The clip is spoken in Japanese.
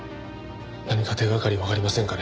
何か手がかりわかりませんかね？